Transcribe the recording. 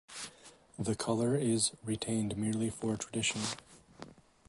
The color is retained merely for tradition.